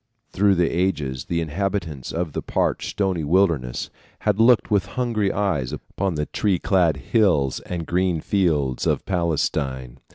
Through the ages the inhabitants of the parched, stony wilderness had looked with hungry eyes upon the tree clad hills and green fields of Palestine.